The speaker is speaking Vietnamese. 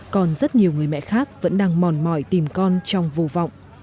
còn rất nhiều người mẹ khác vẫn đang mòn mỏi tìm con trong vô vọng